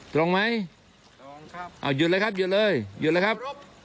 ตรงไหมตรงครับเอาหยุดเลยครับหยุดเลยหยุดเลยครับ